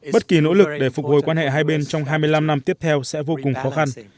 bất kỳ nỗ lực để phục hồi quan hệ hai bên trong hai mươi năm năm tiếp theo sẽ vô cùng khó khăn